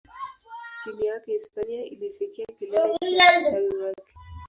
Chini yake, Hispania ilifikia kilele cha ustawi wake.